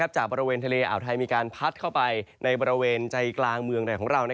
จากบริเวณทะเลอ่าวไทยมีการพัดเข้าไปในบริเวณใจกลางเมืองไหนของเรา